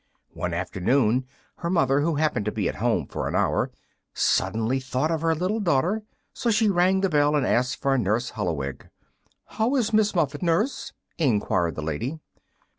One afternoon her mother, who happened to be at home for an hour, suddenly thought of her little daughter; so she rang the bell and asked for Nurse Holloweg. "How is Miss Muffet, Nurse?" enquired the lady.